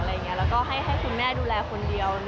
แล้วก็ให้คุณแม่ดูแลคนเดียว